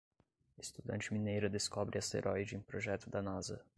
Estudante mineira descobre asteroide em projeto da Nasa